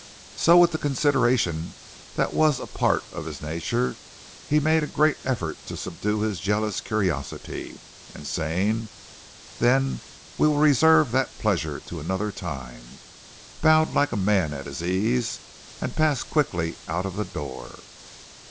So with the consideration that was a part of his nature he made a great effort to subdue his jealous curiosity, and saying, "Then we will reserve that pleasure till another time," bowed like a man at his ease, and passed quickly out of the door.